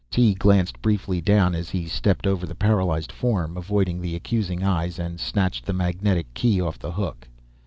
Tee glanced briefly down as he stepped over the paralyzed form, avoiding the accusing eyes, and snatched the magnetic key off the hook.